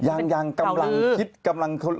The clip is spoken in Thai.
ยังกำลังคิด